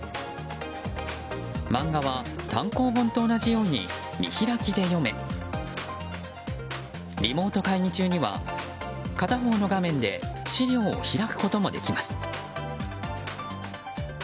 漫画は単行本と同じように見開きで読めリモート会議中には片方の画面で資料を開くこともできます。